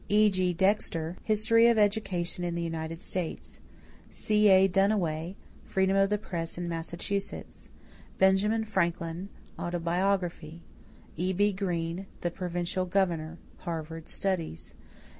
E.G. Dexter, History of Education in the United States. C.A. Duniway, Freedom of the Press in Massachusetts. Benjamin Franklin, Autobiography. E.B. Greene, The Provincial Governor (Harvard Studies).